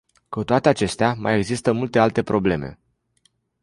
Cu toate acestea, mai există multe alte probleme.